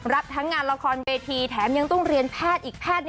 ทั้งงานละครเวทีแถมยังต้องเรียนแพทย์อีกแพทย์